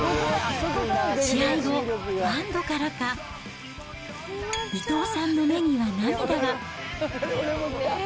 試合後、安どからか、伊藤さんの目には涙が。